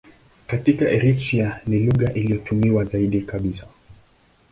Katika Eritrea ni lugha inayotumiwa zaidi kabisa.